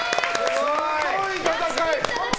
すごい戦い！